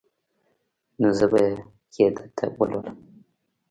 نو زه به يې درته ولولم.